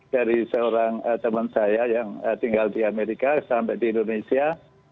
dari seorang teman saya yang tinggal di amerika sampai di indonesia